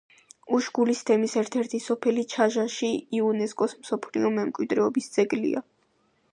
უშგულის თემის ერთ-ერთი სოფელი, ჩაჟაში, იუნესკოს მსოფლიო მემკვიდრეობის ძეგლია.